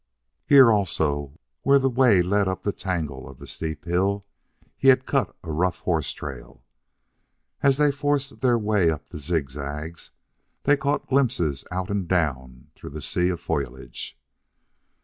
Here, also, where the way led up the tangle of the steep hill, he had cut a rough horse trail. As they forced their way up the zigzags, they caught glimpses out and down through the sea of foliage.